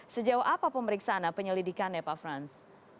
sejauh apa pemeriksaan penyelidikan ya pak franz